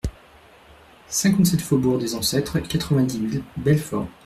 cinquante-sept faubourg des Ancêtres, quatre-vingt-dix mille Belfort